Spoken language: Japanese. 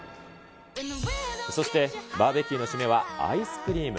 そして、バーベキューの締めはアイスクリーム。